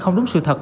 không đúng sự thật